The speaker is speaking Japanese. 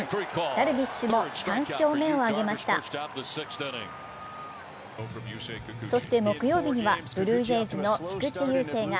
ダルビッシュも３勝目を挙げましたそして木曜日にはブルージェイズの菊池雄星が